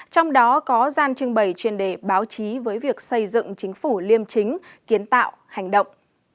trong đó có gian trưng bày chuyên đề báo chí với việc xây dựng chính phủ liêm chính kiến tạo hành động